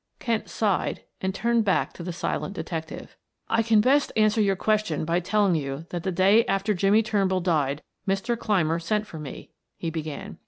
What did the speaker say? Kent sighed and turned back to the silent detective. "I can best answer your question by telling you that the day after Jimmie Turnbull died Mr. Clymer sent for me," he began.